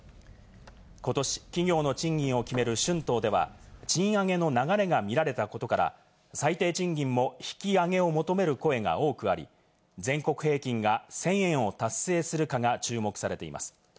ことし、企業の賃金を決める春闘では賃上げの流れが見られたことから、最低賃金も引き上げを求める声が多くあり、全国平均が１０００円を達成するかが注目されています。